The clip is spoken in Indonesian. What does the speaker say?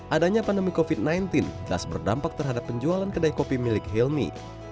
adanya pandemi covid sembilan belas jelas berdampak terhadap penjualan kedai kopi milik hilmi